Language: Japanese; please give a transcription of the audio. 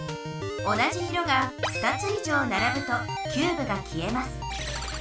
同じ色が２つ以上ならぶとキューブが消えます。